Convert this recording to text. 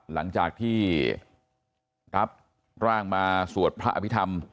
หลังจากที่รับร่างมาสวดพระอภิษฐรรม